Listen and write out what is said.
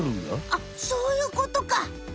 あっそういうことか。